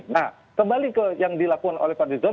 nah kembali ke yang dilakukan oleh pak ridwan